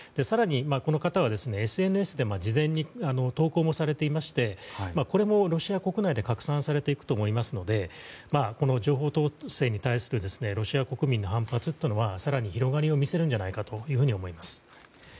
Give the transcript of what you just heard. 更に、この方はＳＮＳで事前に投稿もされていましてこれもロシア国内で拡散されていくと思いますのでこの情報統制に対するロシア国民の反発は更に広がりを見せるんじゃないかと思います。